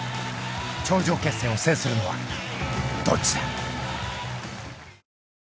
［頂上決戦を制するのはどっちだ⁉］